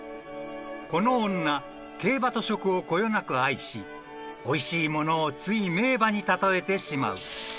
［この女競馬と食をこよなく愛しおいしいものをつい名馬に例えてしまう］